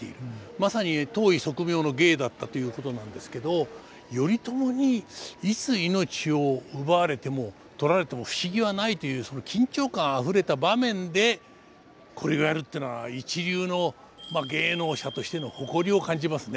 まさに当意即妙の芸だったということなんですけど頼朝にいつ命を奪われても取られても不思議はないというその緊張感あふれた場面でこれをやるというのは一流の芸能者としての誇りを感じますね。